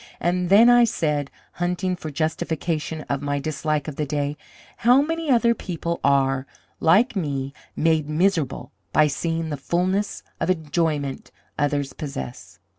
And then, I said, hunting for justification of my dislike of the day, 'How many other people are, like me, made miserable by seeing the fullness of enjoyment others possess!'